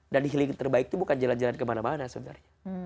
dan healing terbaik itu bukan jalan jalan kemana mana sebenarnya